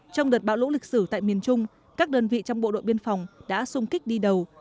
trong đợt bão lũ lịch sử tại miền trung các đơn vị trong bộ đội biên phòng đã sung kích đi đầu